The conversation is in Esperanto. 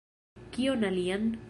Kion alian?